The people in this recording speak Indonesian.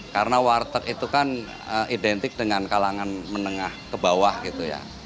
karena warteg itu kan identik dengan kalangan menengah ke bawah gitu ya